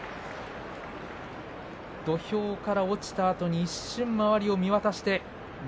土俵から落ちたあとに一瞬、周りを見渡しました。